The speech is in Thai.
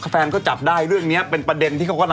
แต่เมื่อกี้๒๐๐เย็นดี้ออก